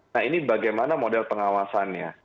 nah ini bagaimana model pengawasannya